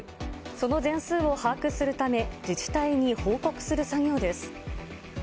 その全数を把握するため、自治体に報告する作業です。